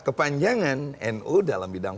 kepanjangan nu dalam bidang